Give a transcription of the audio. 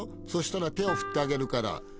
そしたら手を振ってあげるから。